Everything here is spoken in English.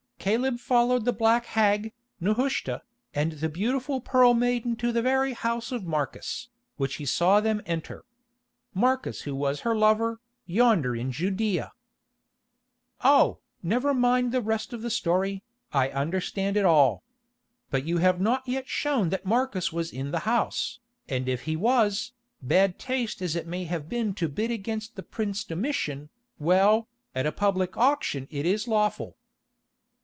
Caleb followed the black hag, Nehushta, and the beautiful Pearl Maiden to the very house of Marcus, which he saw them enter. Marcus who was her lover, yonder in Judæa——" "Oh! never mind the rest of the story, I understand it all. But you have not yet shown that Marcus was in the house, and if he was, bad taste as it may have been to bid against the prince Domitian, well, at a public auction it is lawful."